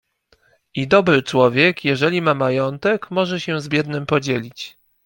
I dobry człowiek, jeżeli ma majątek, może się z biednym podzielić.